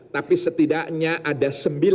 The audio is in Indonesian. tapi setidaknya ada sembilan